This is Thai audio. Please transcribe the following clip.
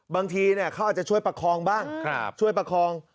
บางทีเขาอาจจะช่วยประคองบ้าง